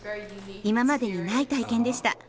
今までにない体験でした。